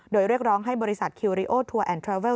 โดยเรียกร้องให้บริษัทคิวริโอทัวร์แอนดราเวล